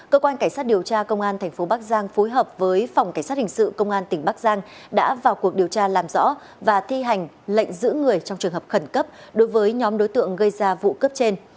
cơ quan cảnh sát điều tra công an tp bắc giang phối hợp với phòng cảnh sát hình sự công an tỉnh bắc giang đã vào cuộc điều tra làm rõ và thi hành lệnh giữ người trong trường hợp khẩn cấp đối với nhóm đối tượng gây ra vụ cướp trên